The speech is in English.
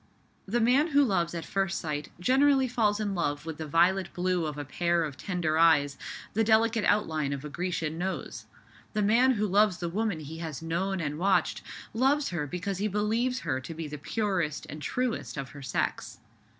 The man who loves at first sight generally falls in love with the violet blue of a pair of tender eyes, the delicate outline of a Grecian nose. The man who loves the woman he has known and watched, loves her because he believes her to be the purest and truest of her sex.